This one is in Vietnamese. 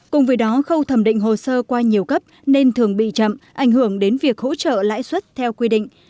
cùng với đó khâu thẩm định hồ sơ qua nhiều cấp nên thường bị chậm ảnh hưởng đến việc hỗ trợ lãi suất theo quy định